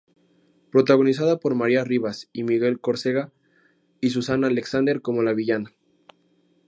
Protagonizada por María Rivas y Miguel Córcega y Susana Alexander como la villana.